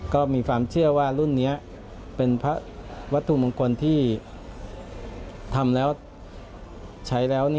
ก็มีความเชื่อว่ารุ่นนี้เป็นพระวัตถุมงคลที่ทำแล้วใช้แล้ว